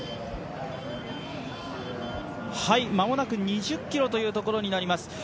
間もなく２０ｋｍというところになります。